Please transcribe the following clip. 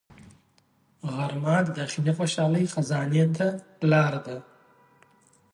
غرمه د داخلي خوشحالۍ خزانې ته لار ده